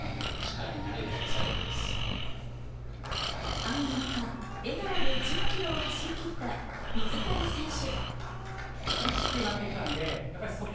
雨の中、笑顔で１０ｋｍを走りきった水谷選手。